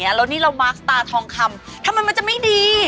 แล้วนี่เรามาร์คสตาร์ทองคำทำไมมันจะไม่ดี